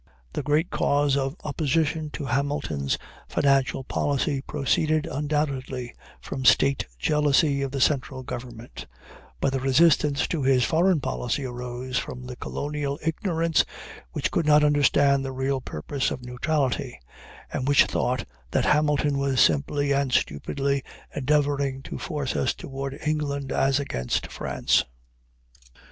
The great cause of opposition to Hamilton's financial policy proceeded, undoubtedly, from state jealousy of the central government; but the resistance to his foreign policy arose from the colonial ignorance which could not understand the real purpose of neutrality, and which thought that Hamilton was simply and stupidly endeavoring to force us toward England as against France.